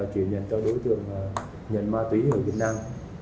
chuyển nhận cho đối tượng nhận ma túy ở việt nam